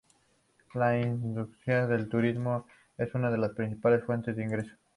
La industria del turismo es una de las principales fuentes de ingresos.